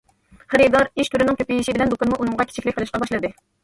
خېرىدار، ئىش تۈرىنىڭ كۆپىيىشى بىلەن دۇكانمۇ ئۇنىڭغا كىچىكلىك قىلىشقا باشلىدى.